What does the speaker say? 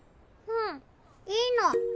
うんいいの。